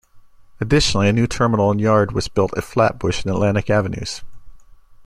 Additionally a new terminal and yard was built at Flatbush and Atlantic Avenues.